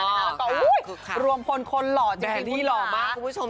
แล้วก็อุ๊ยรวมคนคนหล่อจริงคุณภาพ